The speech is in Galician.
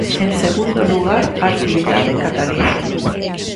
En segundo lugar, a actividade cataliza.